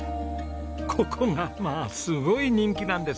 ここがまあすごい人気なんです。